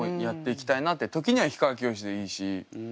時には氷川きよしでいいし。